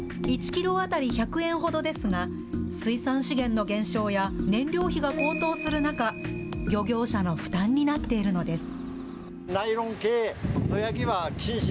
１キロ当たり１００円ほどですが、水産資源の減少や、燃料費が高騰する中、漁業者の負担になっているのです。